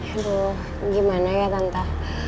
aduh gimana ya tante